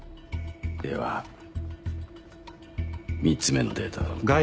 では３つ目のデータも。